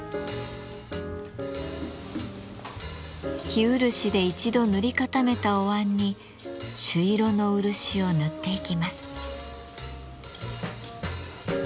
生漆で一度塗り固めたおわんに朱色の漆を塗っていきます。